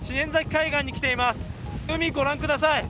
海、御覧ください。